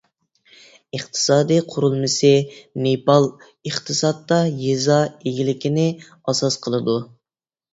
ئىقتىسادىي قۇرۇلمىسى نېپال ئىقتىسادتا يېزا ئىگىلىكىنى ئاساس قىلىدۇ.